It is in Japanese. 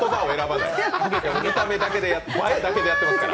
見た目だけ、はげだけでやってますから。